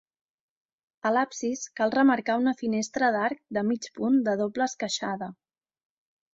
A l'absis, cal remarcar una finestra d'arc de mig punt de doble esqueixada.